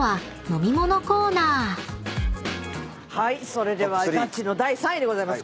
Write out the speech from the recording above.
それではガチの第３位でございます。